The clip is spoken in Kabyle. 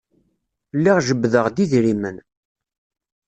Lliɣ jebbdeɣ-d idrimen.